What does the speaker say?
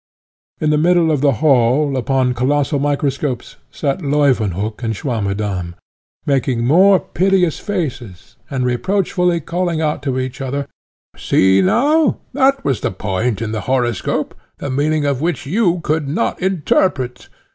In the middle of the hall, upon colossal microscopes, sate Leuwenhock and Swammerdamm, making most piteous faces, and reproachfully calling out to each other, "See now! that was the point in the horoscope, the meaning of which you could not interpret.